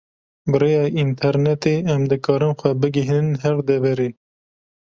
Bi rêya internetê em dikarin xwe bigihînin her deverê.